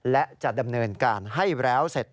และจะดำเนินการให้แล้วเสร็จ